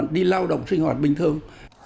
đi lao động sinh hoạt bình thường